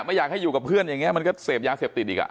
ไม่อยากให้อยู่กับเพื่อนอย่างนี้มันก็เสพยาเสพติดอีกอ่ะ